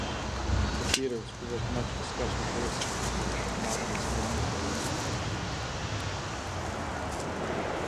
The theater has provoked much discussion and criticism because of its modernist nature.